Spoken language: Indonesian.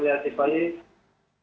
dan kalau tidak pasti lepas